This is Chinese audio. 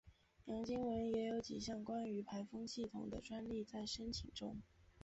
杨经文也有几项关于排风系统的专利在申请中。